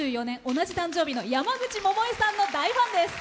同じ誕生日の山口百恵さんの大ファンです。